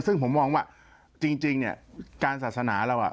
ซึ่งผมมองว่าจริงการศาสนาเรา